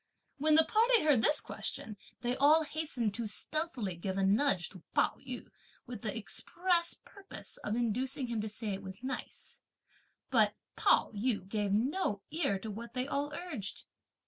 When the party heard this question, they all hastened to stealthily give a nudge to Pao yü, with the express purpose of inducing him to say it was nice; but Pao yü gave no ear to what they all urged.